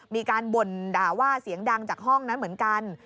มีการบ่นด่าว่าเสียงดังจากห้องนั้นเหมือนกัน